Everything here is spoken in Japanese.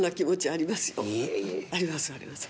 ありますあります。